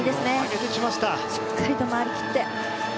しっかりと回り切って。